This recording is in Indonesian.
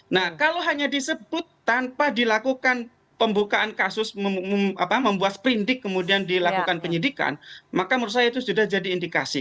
nah kalau hanya disebut tanpa dilakukan pembukaan kasus membuat sprindik kemudian dilakukan penyidikan maka menurut saya itu sudah jadi indikasi